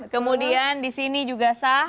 kemudian di sini juga sah